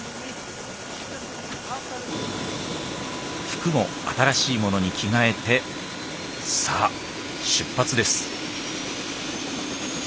服も新しいものに着替えてさあ出発です。